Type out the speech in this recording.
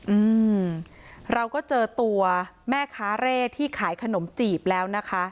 อืมเราก็เจอตัวแม่ค้าเร่ที่ขายขนมจีบแล้วนะคะ